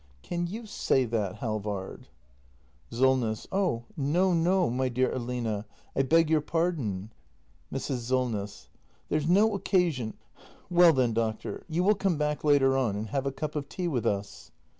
] Can you say that, Halvard ? Solness. Oh, no, no, my dear Aline; I beg your pardon. Mrs. Solness. There's no occasion. — Well then, doctor, you will come back later on, and have a cup of tea with us